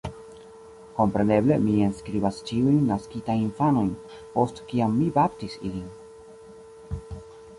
Kompreneble mi enskribas ĉiujn naskitajn infanojn, post kiam mi baptis ilin.